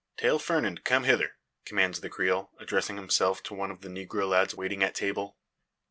"Tell Fernand to come hither," commands the Creole, addressing himself to one of the negro lads waiting at table.